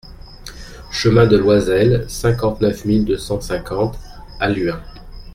Chemin de Loisel, cinquante-neuf mille deux cent cinquante Halluin